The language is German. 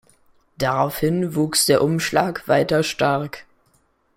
Daraufhin wuchs der Umschlag weiter stark.